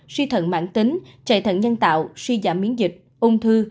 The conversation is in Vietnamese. suy thận mạng tính chạy thận nhân tạo suy giảm miễn dịch ung thư